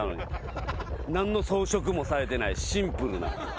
何の装飾もされてないシンプルな。